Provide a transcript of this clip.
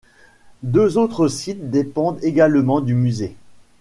Deux autres sites dépendent également du musée.